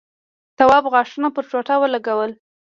تواب غاښونه پر ټوټه ولگول.